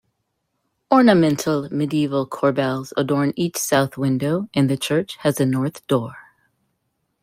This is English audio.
Ornamental medieval corbels adorn each south window and the church has a north door.